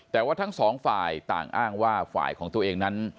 แต่ว่าทั้งสองฝ่ายต่างอ้างว่าฝ่ายของตัวเองนั้น